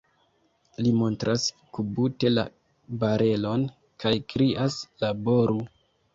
Li montras kubute la barelon kaj krias: Laboru!